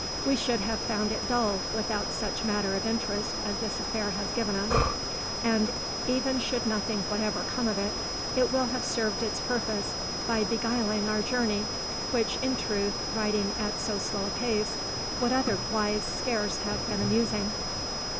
We should have found it dull, without such matter of interest as this affair has given us, and, even should nothing whatever come of it, it will have served its purpose by beguiling our journey, which, in truth, riding at so slow a pace, would otherwise scarce have been amusing."